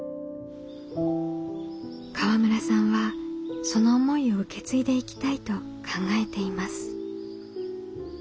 河村さんはその思いを受け継いでいきたいと考えています。